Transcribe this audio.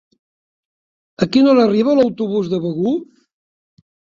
A quina hora arriba l'autobús de Begur?